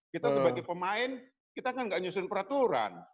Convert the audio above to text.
kita sebagai pemain kita kan nggak nyusun peraturan